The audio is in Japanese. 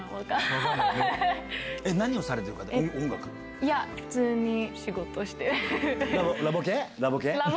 いや普通に仕事してる。